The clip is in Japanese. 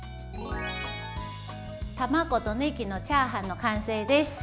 卵とねぎのチャーハンの完成です。